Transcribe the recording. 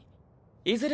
いずれ